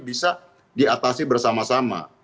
bisa diatasi bersama sama